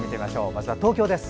まずは東京です。